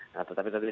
nah tetapi tadi